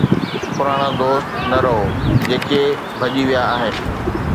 پراڻا دوست نه روئو جيڪي ڀڄي ويا آهن